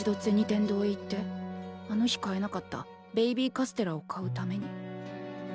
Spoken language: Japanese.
天堂へ行ってあの日買えなかったベイビーカステラを買うために。